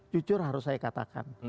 jujur harus saya katakan